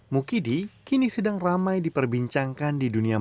mukidi kini sedang ramai diperbincangkan di dunia maya